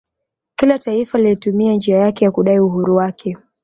Kila taifa lilitumia njia yake ya kudai uhuru wake